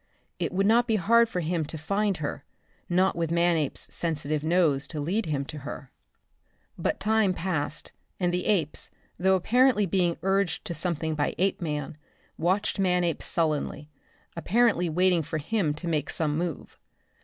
It would not be hard for him to find her not with Manape's sensitive nose to lead him to her. But time passed and the apes, though apparently being urged to something by Apeman, watching Manape sullenly, apparently waiting for him to make some move.